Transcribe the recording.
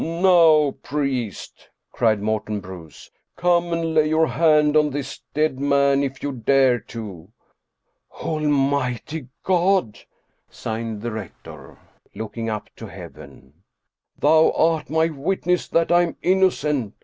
" Now, priest," cried Morten Bruus, " come and lay your hand on this dead man if you dare to !"" Almighty God !" signed the rector, looking up to heaven, " Thou art my witness that I am innocent.